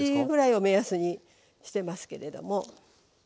１ｃｍぐらいを目安にしてますけれども。